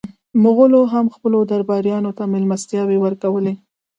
مغولو هم خپلو درباریانو ته مېلمستیاوې ورکولې.